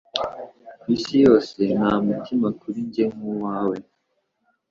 Ku isi yose, nta mutima kuri njye nk'uwawe.